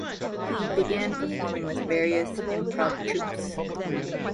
He began performing with various improv troupes.